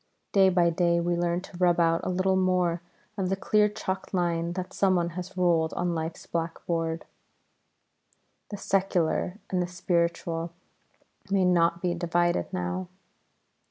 Day by day we learn to rub out a little more of the clear chalked line that someone has ruled on life's black board; the Secular and the Spiritual may not be divided now.